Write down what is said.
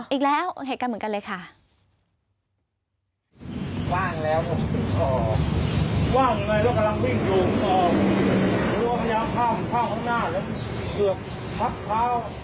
อีกแล้วเหตุการณ์เหมือนกันเลยค่ะ